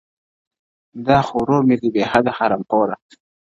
دا خو ورور مي دی بې حده حرامخوره,